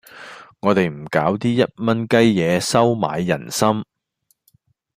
我哋唔搞啲一蚊雞嘢收買人心